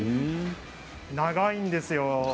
長いんですよ。